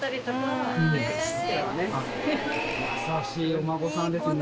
優しいお孫さんですね。